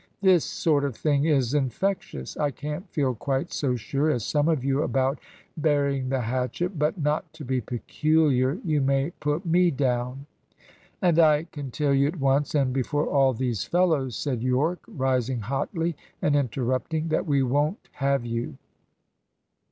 "This sort of thing is infectious. I can't feel quite so sure as some of you about burying the hatchet; but, not to be peculiar, you may put me down " "And I can tell you at once, and before all these fellows," said Yorke, rising hotly, and interrupting, "that we won't have you!